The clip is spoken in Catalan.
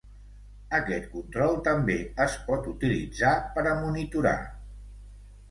Aquest control també es pot utilitzar per a monitorar.